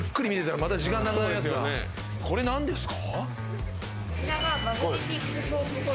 これ、なんですか？